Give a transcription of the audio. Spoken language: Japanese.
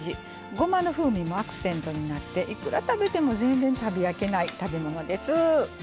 ごまの風味もアクセントになっていくら食べても全然、食べ飽きない食べ物です。